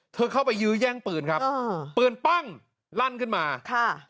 เข้าไปยื้อแย่งปืนครับอ่าปืนปั้งลั่นขึ้นมาค่ะ